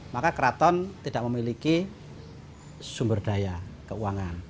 maka keraton tidak memiliki sumber daya keuangan